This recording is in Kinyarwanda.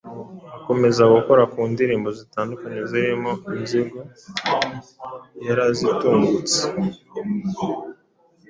Akomeza gukora ku ndirimbo zitandukanye zirimo na "Inzigo yarazingutse"